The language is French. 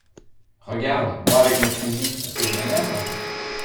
Regarde, moi avec mon fusil, est-ce que je m’énerve ?